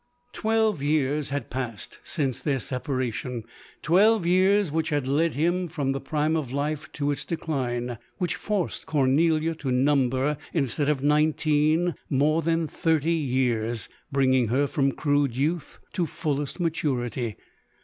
214 LODORE. Twelve years had passed since their separa tion : twelve years, which had led him from the prime of life to its decline — which forced Cor nelia to number, instead of nineteen, more than thirty years — bringing her from crude youth to fullest maturity.